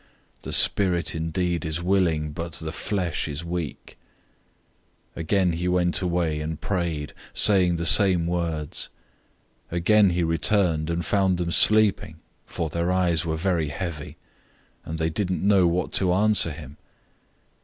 The spirit indeed is willing, but the flesh is weak." 014:039 Again he went away, and prayed, saying the same words. 014:040 Again he returned, and found them sleeping, for their eyes were very heavy, and they didn't know what to answer him.